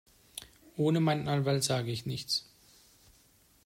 Ohne meinen Anwalt sage ich nichts.